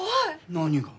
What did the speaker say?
何が？